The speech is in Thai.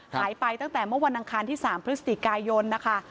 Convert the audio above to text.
หายไปตั้งแต่เมื่อวันอังคารที่๓พฤศจิกายนนะคะ